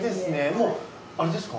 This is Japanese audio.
もうあれですか？